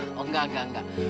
oh enggak enggak enggak